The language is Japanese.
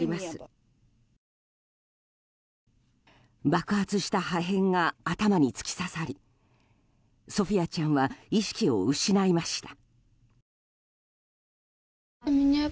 爆発した破片が頭に突き刺さりソフィヤちゃんは意識を失いました。